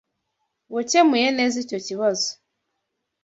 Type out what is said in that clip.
Wakemuye neza icyo kibazo.